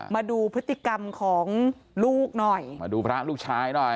มาดูพฤติกรรมของลูกหน่อยมาดูพระลูกชายหน่อย